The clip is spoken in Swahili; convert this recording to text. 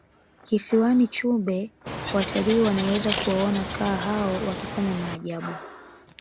kisiwani chumbe watalii wanaweza kuwaona kaa hao wakifanya maajabu